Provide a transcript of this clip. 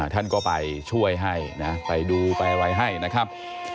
ท่านก็ไปช่วยให้นะไปดูไปอะไรให้นะครับ